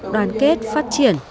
đoàn kết phát triển